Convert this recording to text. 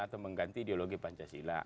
atau mengganti ideologi pancasila